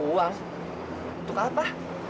uang untuk apa